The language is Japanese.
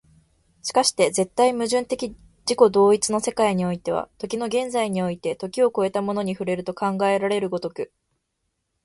而して絶対矛盾的自己同一の世界においては、時の現在において時を越えたものに触れると考えられる如く、